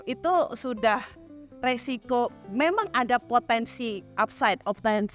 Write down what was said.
itu sudah resiko memang ada potensi upside